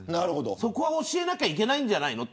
そこは教えなきゃいけないんじゃないのと。